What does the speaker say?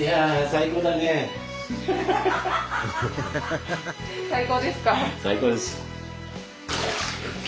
最高ですか？